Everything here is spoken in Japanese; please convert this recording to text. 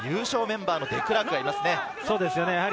南アフリカ代表優勝メンバーのデクラークがいますね。